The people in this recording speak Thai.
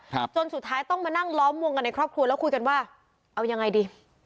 จนสุดท้ายต้องมานั่งล้อมวงกันในครอบครัวแล้วคุยกันว่าเอายังไงดี